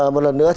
một lần nữa